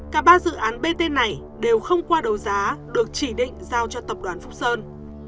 cả ba dự án bt này đều không qua đấu giá được chỉ định giao cho tập đoàn phúc sơn